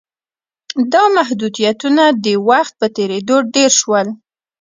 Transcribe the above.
دا محدودیتونه د وخت په تېرېدو ډېر شول.